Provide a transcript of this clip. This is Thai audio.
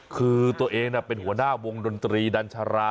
คือตัวเองเป็นหัวหน้าวงดนตรีดัญชารา